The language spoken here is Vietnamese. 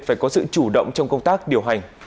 phải có sự chủ động trong công tác điều hành